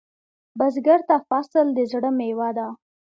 بزګر ته فصل د زړۀ میوه ده